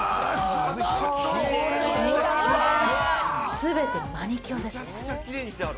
全てマニキュアですね。